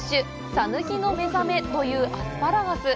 「さぬきのめざめ」というアスパラガス。